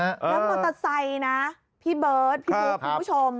แล้วมอเตอร์ไซค์นะพี่เบิร์ตพี่บุ๊คคุณผู้ชม